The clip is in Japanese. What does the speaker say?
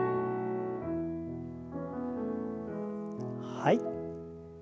はい。